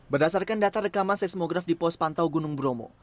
berdasarkan data rekaman seismograf di pos pantau gunung bromo